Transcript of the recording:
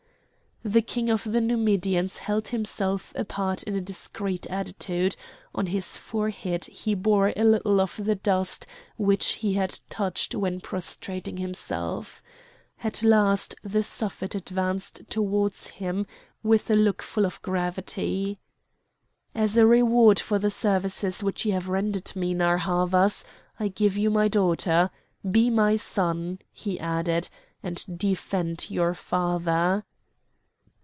The king of the Numidians held himself apart in a discreet attitude; on his forehead he bore a little of the dust which he had touched when prostrating himself. At last the Suffet advanced towards him with a look full of gravity. "As a reward for the services which you have rendered me, Narr' Havas, I give you my daughter. Be my son," he added, "and defend your father!"